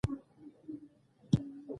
غیرتمند هر حق ته غاړه ږدي